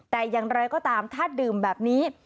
แต่อย่างไรก็ตามถ้าดื่มแบบนี้